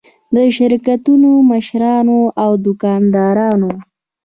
د شرکتونو مشرانو او دوکاندارانو.